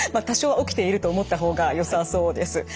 多少は起きていると思った方がよさそうです。